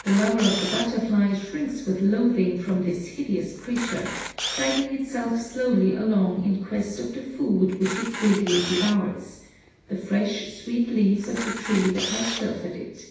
The lover of the butterfly shrinks with loathing from this hideous creature, dragging itself slowly along in quest of the food which it greedily devours the fresh, sweet leaves of the tree that has sheltered it!